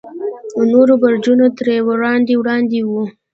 نور برجونه ترې وړاندې وړاندې وو.